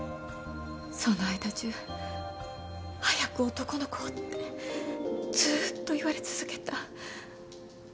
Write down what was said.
その間中早く男の子をってずっと言われ続けた。